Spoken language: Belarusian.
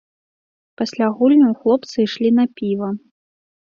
Пасля гульняў хлопцы ішлі на піва.